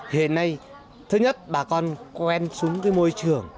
hiện nay thứ nhất bà con quen xuống cái môi trường